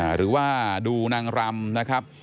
หรือว่าดูนางรำนะครับ